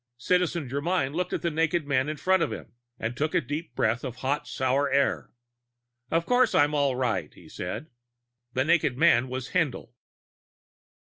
Citizen Germyn looked at the naked man in front of him and took a deep breath of hot, sour air. "Of course I'm all right," he said. The naked man was Haendl.